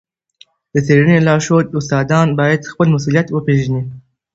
د څېړني لارښود استادان باید خپل مسؤلیت وپېژني.